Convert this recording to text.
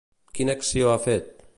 Quina acció ha fet?